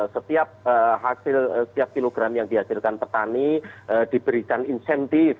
setiap kilogram yang dihasilkan petani diberikan insentif